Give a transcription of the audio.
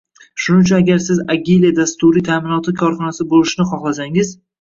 Shuning uchun agar siz Agile dasturiy taʼminot korxonasi boʻlishni xohlasangiz